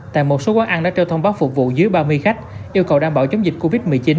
tại một số quán ăn đã trao thông báo phục vụ dưới ba mươi khách yêu cầu đảm bảo chống dịch covid một mươi chín